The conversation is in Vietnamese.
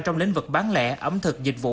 trong lĩnh vực bán lẻ ẩm thực dịch vụ